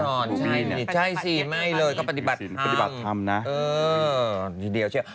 ใช่่ตอนนี้ใช่สิไม่เลยเค้าปฏิบัติทำนะเอ้อทีเดียวเชียบ